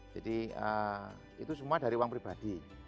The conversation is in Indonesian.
jadi itu semua dari uang pribadi